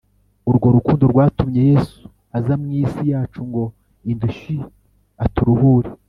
Urwo rukundo rwatumye yesu aza mu isi yacu ngo indushyi aturuhure